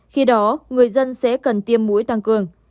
khi đó người dân sẽ cần tiêm mũi tăng cường